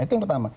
itu yang pertama